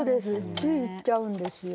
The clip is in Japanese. ついいっちゃうんですよ。